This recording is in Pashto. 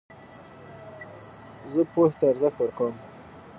زه پوهي ته ارزښت ورکوم.